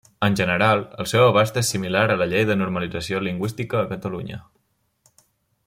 En general, el seu abast és similar a la Llei de Normalització lingüística a Catalunya.